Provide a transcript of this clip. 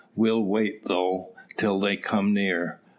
"We'll wait, though, till they come near."